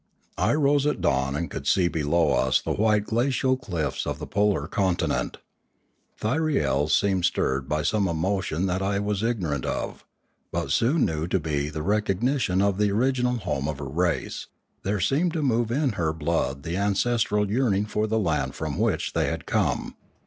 I rose at dawn and could see be low us the white glacial cliffs of the polar continent. A Warning 641 Thyriel seemed stirred by some emotion that I was ig norant of, but soon knew to be the recognition of the original home of her race; there seemed to move in her blood the ancestral yearning for the land from which they had come.